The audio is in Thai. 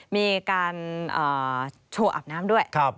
มีการโชว์อาบน้ำด้วย